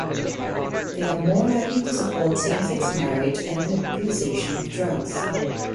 They are more likely to support same-sex marriage and the legalization of drugs.